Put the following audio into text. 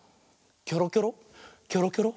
キョロキョロキョロキョロ。